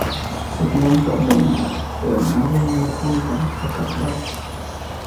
Segmento abdominal terminado en una punta a cada lado.